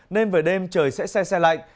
nên về đêm trời sẽ xe xe lạnh